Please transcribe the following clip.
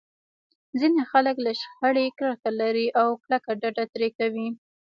ځينې خلک له شخړې کرکه لري او کلکه ډډه ترې کوي.